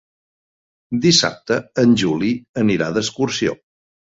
Dissabte en Juli anirà d'excursió.